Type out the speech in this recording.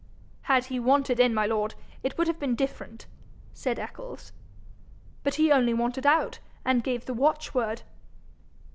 'Had he wanted in, my lord, it would have been different,' said Eccles. 'But he only wanted out, and gave the watchword.'